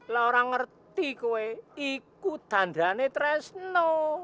lah orang ngerti kowe ikutan danit resno